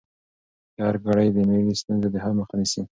د ارګ کړۍ د ملي ستونزو د حل مخه نیسي.